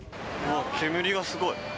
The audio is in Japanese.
煙がすごい。